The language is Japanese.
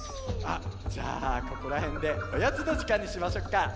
じゃあここらへんでおやつのじかんにしましょうか？